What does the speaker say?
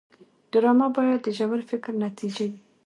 ډرامه باید د ژور فکر نتیجه وي